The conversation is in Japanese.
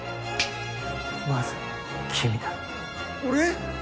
まず君だ。俺？